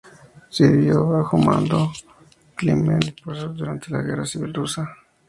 Sirvió bajo mando de Kliment Voroshílov durante la Guerra Civil Rusa.